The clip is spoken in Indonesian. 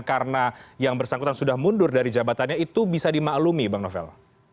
karena yang bersangkutan sudah mundur dari jabatannya itu bisa dimaklumi bang novel